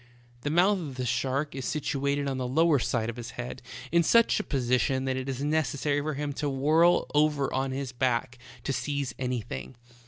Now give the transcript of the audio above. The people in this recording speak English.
The mouth of the shark is situated on the lower side of his head in such a position that it is neces sary for him to whirl over on his back to seize anything.